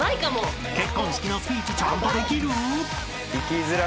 ［結婚式のスピーチちゃんとできる？］